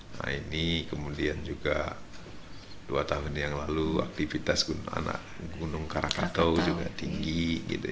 nah ini kemudian juga dua tahun yang lalu aktivitas gunung karakato juga tinggi gitu ya